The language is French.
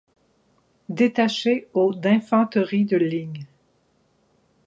Détaché au d'infanterie de ligne.